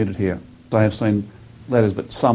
mereka telah melihat surat tapi beberapa bukan semua